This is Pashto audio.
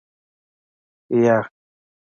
يه.